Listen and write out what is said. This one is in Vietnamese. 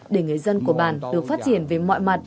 để người dân của bản được phát triển về mọi mặt